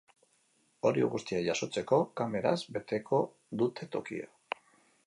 Hori guztia jasotzeko, kameraz beteko dute tokia.